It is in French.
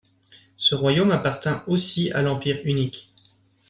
Ce royaume appartint aussi à l'Empire hunnique.